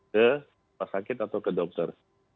ke pasakit atau ke dokter